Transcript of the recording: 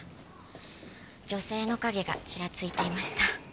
女性の影がちらついていました。